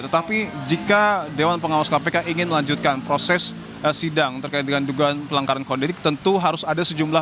tetapi jika dewan pengawas kpk ingin melanjutkan proses sidang terkait dengan dugaan pelanggaran kode etik tentu harus ada sejumlah